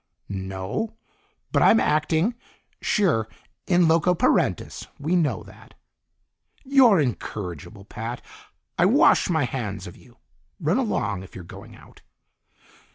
"No, but I'm acting " "Sure. In loco parentis. We know that." "You're incorrigible, Pat! I wash my hands of you. Run along, if you're going out."